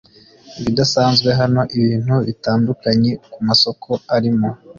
Ibidasanzwe Hano ibintu bitandukanye kumasoko arimo